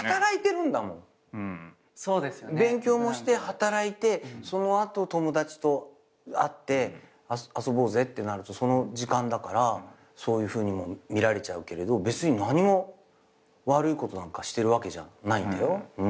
勉強もして働いてその後友達と会って遊ぼうぜってなるとその時間だからそういうふうに見られちゃうけれど別に何も悪いことなんかしてるわけじゃないんだよ。